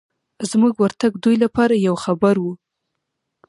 زموږ ورتګ دوی لپاره یو خبر و.